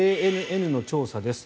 ＡＮＮの調査です。